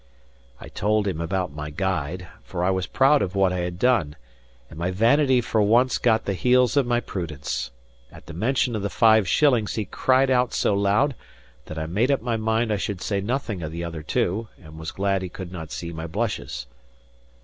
I told him about my guide, for I was proud of what I had done, and my vanity for once got the heels of my prudence. At the mention of the five shillings he cried out so loud that I made up my mind I should say nothing of the other two, and was glad he could not see my blushes.